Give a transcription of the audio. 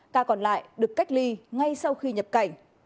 ca còn lại được cách ly ngay sau khi nhập cảnh